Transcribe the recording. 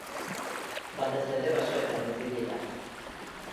Batez ere basoetan bizi dira.